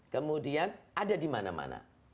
kemudian ada di mana mana